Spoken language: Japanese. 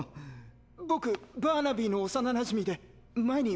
僕バーナビーの幼なじみで前に娘さんと。